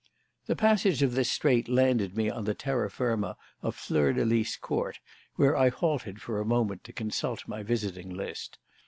The passage of this strait landed me on the terra firma of Fleur de Lys Court, where I halted for a moment to consult my visiting list.